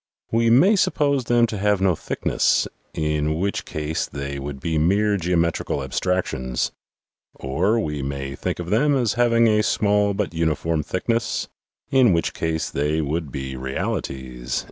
We may suppose them to have no thickness, in which case they would be mere geometrical abstractions ; or we may think of them as having a small but uniform thickness, in which case they would be realities."